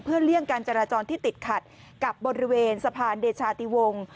เพื่อเลี่ยงการจราจรที่ติดขัดกับบริเวณสะพานเดชาติวงศ์